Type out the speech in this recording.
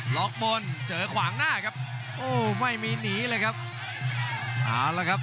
ล็อกบนเจอขวางหน้าครับโอ้ไม่มีหนีเลยครับ